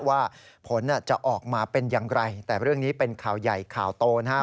ว่าผลจะออกมาเป็นอย่างไรแต่เรื่องนี้เป็นข่าวใหญ่ข่าวโตนะฮะ